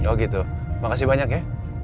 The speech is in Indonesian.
oh gitu makasih banyak ya